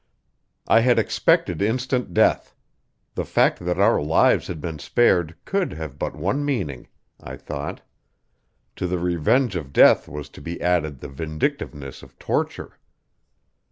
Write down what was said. I had expected instant death; the fact that our lives had been spared could have but one meaning, I thought: to the revenge of death was to be added the vindictiveness of torture.